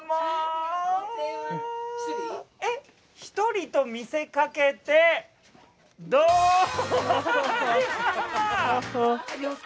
一人と見せかけてどん！